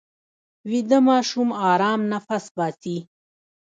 ویده ماشوم ارام نفس باسي